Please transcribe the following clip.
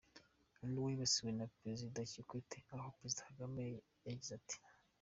Undi wibasiwe ni Perezida Kikwete aho Perezida Kagame yagize ati: